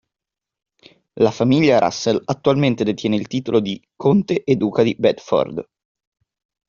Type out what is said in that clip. La famiglia Russell attualmente detiene il titolo di conte e duca di Bedford.